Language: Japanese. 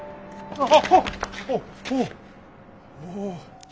おお。